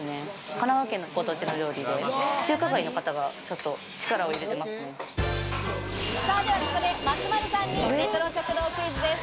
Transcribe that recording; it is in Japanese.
神奈川県のご当地料理で中華街の方がではここで松丸さんにレトロ食堂クイズです。